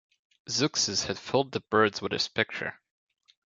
Zeuxis had fooled the birds with his picture.